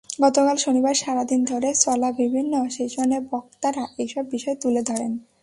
গতকাল শনিবার সারা দিন ধরে চলা বিভিন্ন সেশনে বক্তারা এসব বিষয় তুলে ধরেন।